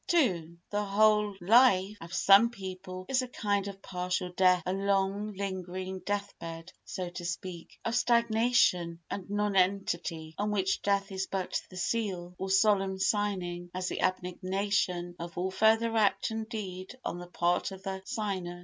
ii The whole life of some people is a kind of partial death—a long, lingering death bed, so to speak, of stagnation and nonentity on which death is but the seal, or solemn signing, as the abnegation of all further act and deed on the part of the signer.